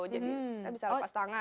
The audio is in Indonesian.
jadi saya bisa lepas tangan